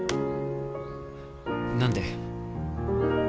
何で？